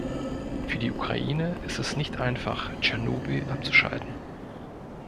Für die Ukraine ist es nicht einfach, Tschernobyl abzuschalten.